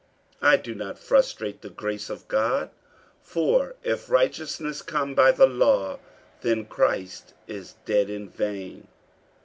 48:002:021 I do not frustrate the grace of God: for if righteousness come by the law, then Christ is dead in vain.